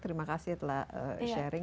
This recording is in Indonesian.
terima kasih telah sharing